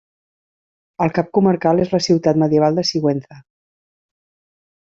El cap comarcal és la ciutat medieval de Sigüenza.